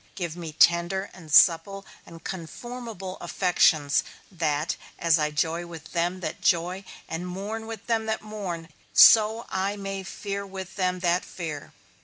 Give me tender and supple and conformable affections, that as I joy with them that joy, and mourn with them that mourn, so I may fear with them that fear.